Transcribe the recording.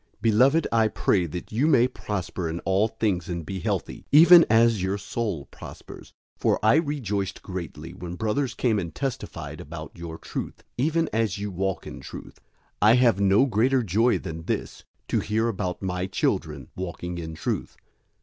001:002 Beloved, I pray that you may prosper in all things and be healthy, even as your soul prospers. 001:003 For I rejoiced greatly, when brothers came and testified about your truth, even as you walk in truth. 001:004 I have no greater joy than this, to hear about my children walking in truth.